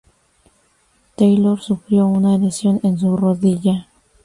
Taylor sufrió una lesión en su rodilla.